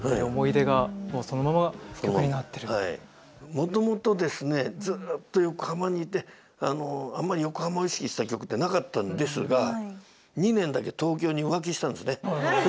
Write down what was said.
もともとですねずっと横浜にいてあんまり横浜を意識した曲ってなかったんですが２年だけ東京に浮気したんですね。